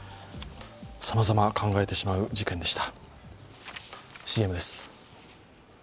さまざま考えてしまう事件でした。